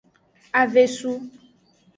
Avesu.